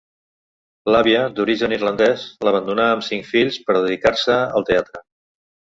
L'àvia, d'origen irlandès, l'abandonà amb cinc fills, per dedicar-se al teatre.